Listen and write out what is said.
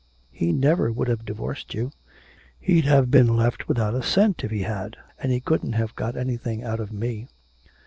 'He never would have divorced you. He'd have been left without a cent if he had, and he couldn't have got anything out of me.'